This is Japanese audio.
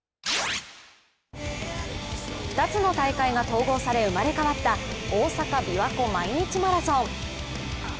２つの大会が統合され生まれ変わった大阪・びわ湖毎日マラソン。